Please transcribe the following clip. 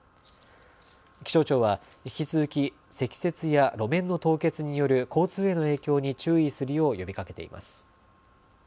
気象庁は引き続き積雪や路面の凍結による交通への影響に注意するよう呼びかけています。